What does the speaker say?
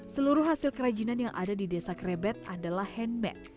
seluruh hasil kerajinan yang ada di desa krebet adalah handmade